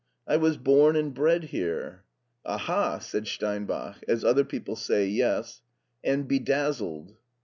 '* I was bom and bred here." " Aha," said Steinbach, as other people say " Yes/' "and bedazzled."